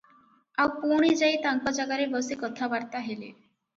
ଆଉ ପୁଣି ଯାଇ ତାଙ୍କ ଜାଗାରେ ବସି କଥାବାର୍ତ୍ତା ହେଲେ ।